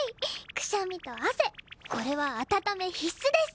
くしゃみと汗これは温め必須です！